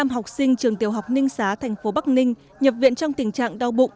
một mươi học sinh trường tiểu học ninh xá thành phố bắc ninh nhập viện trong tình trạng đau bụng